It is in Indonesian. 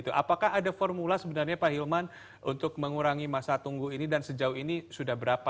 dan apakah ada formula sebenarnya pak hilman untuk mengurangi masa tunggu ini dan sejauh ini sudah berapa